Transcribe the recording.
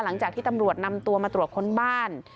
หลังจากที่ตำรวจนำตัวมาตรวจค้นบ้าน